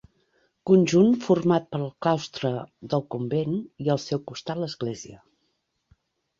Conjunt format pel claustre del convent i al seu costat l'església.